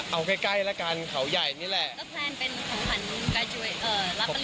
เอาใกล้แล้วกันเขาใหญ่นี่แหละ